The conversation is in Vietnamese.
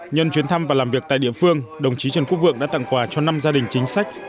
nhân chuyến thăm và làm việc tại địa phương đồng chí trần quốc vượng đã tặng quà cho năm gia đình chính sách